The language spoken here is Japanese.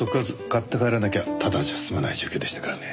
買って帰らなきゃただじゃ済まない状況でしたからね。